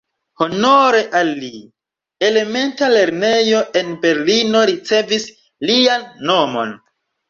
Honore al li, elementa lernejo en Berlino ricevis lian nomon.